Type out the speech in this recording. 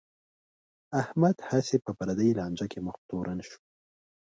احمد هسې په پردی لانجه کې مخ تورن شو.